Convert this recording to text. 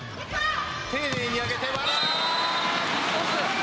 丁寧に上げて、和田。